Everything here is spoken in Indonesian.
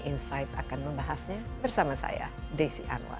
insight akan membahasnya bersama saya desi anwar